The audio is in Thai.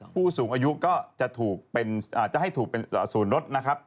ผู้สูงอายุก็จะให้ถูกเป็นสูญรถนะครับ